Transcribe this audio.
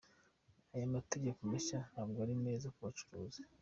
Aya mategeko mashya ntabwo ari meza ku bucuruzi.